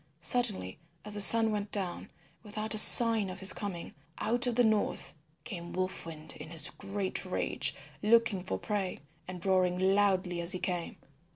Suddenly as the sun went down, without a sign of his coming, out of the north came Wolf Wind in his great rage looking for prey, and roaring loudly as he came.